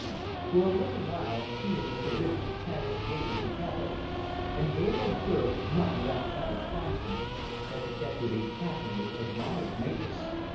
For a little while she and Mr. Ridgett chatted gaily together; and Dale observed, not without satisfaction, that the deputy patently admired Mavis.